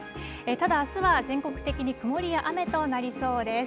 ただ、あすは全国的に曇りや雨となりそうです。